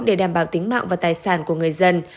để đảm bảo tính mạng và tài sản của người dân